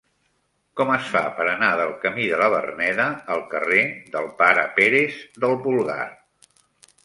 Com es fa per anar del camí de la Verneda al carrer del Pare Pérez del Pulgar?